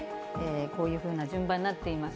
こういうふうな順番になっています。